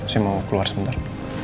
saya mau keluar sebentar